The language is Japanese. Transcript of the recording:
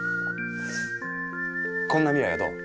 こんな未来はどう？